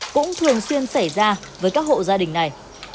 cũng thường xuyên xảy ra với các hộ gia đình này